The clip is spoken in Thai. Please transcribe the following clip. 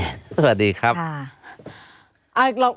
สวัสดีครับ